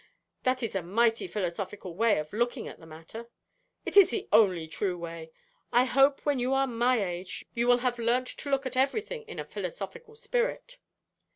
'That is a mighty philosophical way of looking at the matter.' 'It is the only true way. I hope when you are my age you will have learnt to look at everything in a philosophical spirit.'